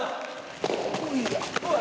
おい！